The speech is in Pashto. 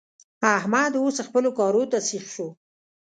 احمد اوس خپلو کارو ته سيخ شو.